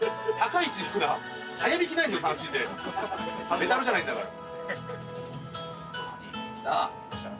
メタルじゃないんだから。